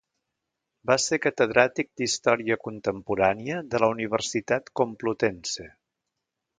Va ser catedràtic d'Història Contemporània de la Universitat Complutense.